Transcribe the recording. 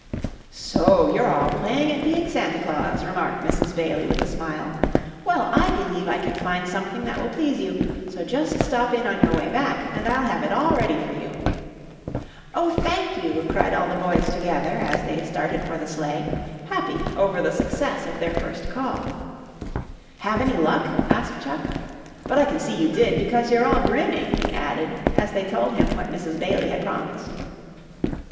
_" "So you're all playing at being Santa Claus," remarked Mrs. Bailey with a smile. "Well, I believe I can find something that will please you, so just stop in on your way back and I'll have it all ready for you." "Oh, thank you!" cried all the boys, together, as they started for the sleigh, happy over the success of their first call. "Have any luck?" asked Chuck. "But I can see you did, because you're all grinning," he added, as they told him what Mrs. Bailey had promised.